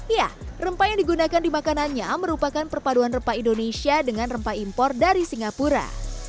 ya rempah yang digunakan di makanannya merupakan perpaduan rempah indonesia dengan rempah impor dari singapura